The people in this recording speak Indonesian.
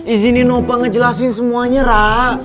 izini nopa ngejelasin semuanya ra